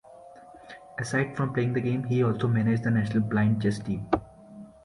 Aside from playing the game, he also managed the national blind chess team.